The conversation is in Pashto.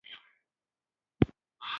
له دغه ځای ووتلو.